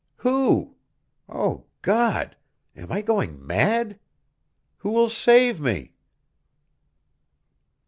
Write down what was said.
Who? Oh! God! Am I going mad? Who will save me?